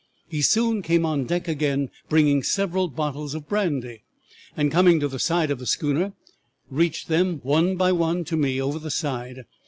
He soon came on deck again bringing several bottles of brandy, and coming to the side of the schooner reached them one by one to me over the side.